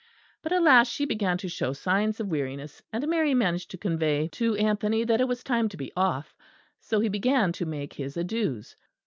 But at last she began to show signs of weariness; and Mary managed to convey to Anthony that it was time to be off. So he began to make his adieux.